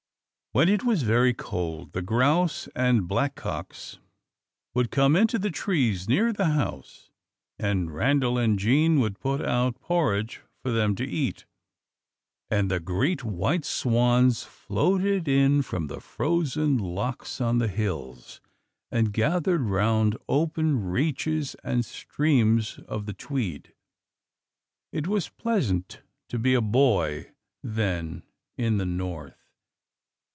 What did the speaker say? [Illustration: Tracks of Hare and Fox] When it was very cold, the grouse and black cocks would come into the trees near the house, and Randal and Jean would put out porridge for them to eat. And the great white swans floated in from the frozen lochs on the hills, and gathered round open reaches and streams of the Tweed. It was pleasant to be a boy then in the North.